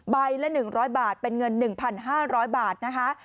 ละ๑๐๐บาทเป็นเงิน๑๕๐๐บาทนะคะ